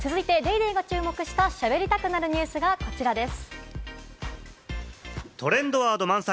続いて『ＤａｙＤａｙ．』が注目した「しゃべりたくなるニュス」がこちらです。